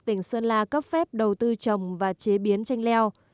tỉnh sơn la cấp phép đầu tư trồng và chế biến chanh leo